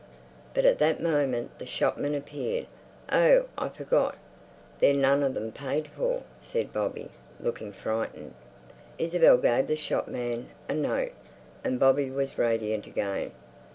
But at that moment the shopman appeared. "Oh, I forgot. They're none of them paid for," said Bobby, looking frightened. Isabel gave the shopman a note, and Bobby was radiant again.